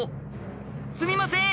すみません